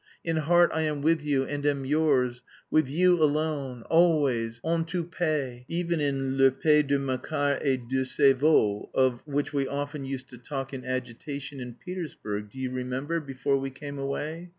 In heart I am with you and am yours; with you alone, always, en tout pays, even in le pays de Makar et de ses veaux, of which we often used to talk in agitation in Petersburg, do you remember, before we came away.